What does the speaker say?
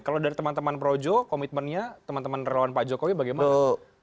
kalau dari teman teman projo komitmennya teman teman relawan pak jokowi bagaimana